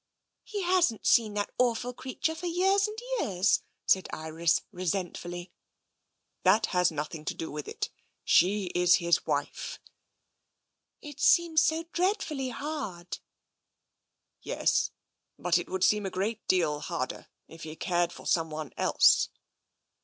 " He hasn't seen that awful creature for years and years," said Iris resentfully. That has nothing to do with it. She is his wife." It seems so dreadfully hard." Yes, but it would seem a great deal harder if he cared for someone else."